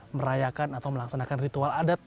merayakan atau melaksanakan ritual adat